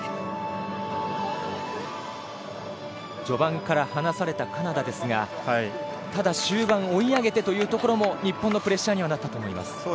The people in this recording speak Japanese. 序盤から離されたカナダですがただ、終盤追い上げてというところも日本のプレッシャーにはなったと思います。